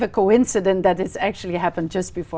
chúng rất thích làm điều đó